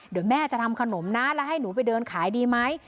เดี๋ยวแม่จะทำขนมนะแล้วให้หนูไปเดินขายดีไหม